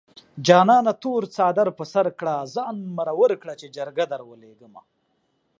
جانانه تور څادر په سر کړه ځان مرور کړه چې جرګه دروليږمه